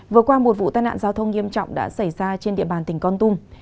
vừa qua một vụ tai nạn giao thông nghiêm trọng đã xảy ra trên địa bàn tỉnh con tum